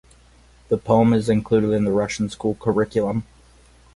The poem is included in the Russian school curriculum.